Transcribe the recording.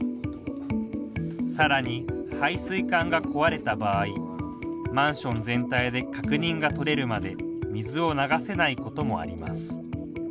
さらに配水管が壊れた場合マンション全体で確認が取れるまで水を流せないこともあります。